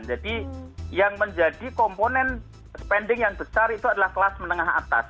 jadi yang menjadi komponen spending yang besar itu adalah kelas menengah atas